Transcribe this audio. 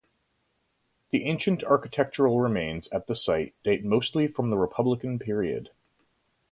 The ancient architectural remains at the site date mostly from the Republican period.